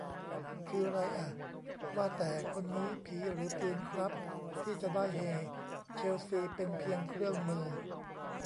คือไรอ่ะ ว่าแต่ คนนี้ผีหรือปืนครับ ที่จะได้เฮ ? เชลซีเป็นเพียงเครื่องมือ !